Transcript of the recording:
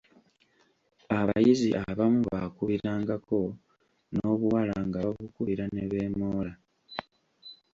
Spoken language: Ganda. Abayizi abamu baakubirangako n’obuwala nga babukubira ne beemoola.